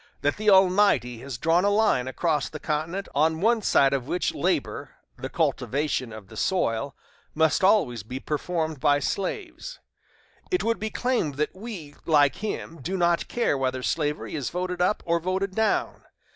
that the Almighty has drawn a line across the continent, on one side of which labor the cultivation of the soil must always be performed by slaves. It would be claimed that we, like him, do not care whether slavery is voted up or voted down.